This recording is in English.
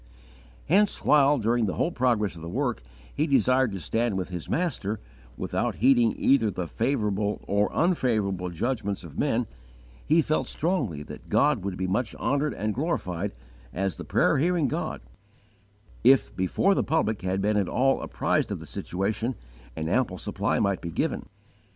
'" Hence, while, during the whole progress of the work, he desired to stand with his Master, without heeding either the favourable or unfavourable judgments of men, he felt strongly that God would be much honoured and glorified as the prayer hearing God if, before the public had been at all apprised of the situation, an ample supply might be given.